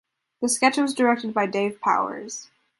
The sketch was directed by Dave Powers.